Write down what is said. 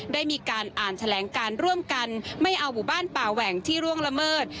ได้มีการอ่านแถลงการร่วมกันไม่เอาหมู่บ้านป่าแหว่งที่ร่วงละเมิด